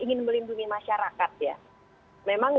ingin melindungi masyarakat ya memang